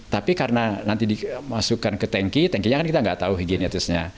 tapi karena nanti dimasukkan ke tanki tankinya kan kita nggak tahu higienetisnya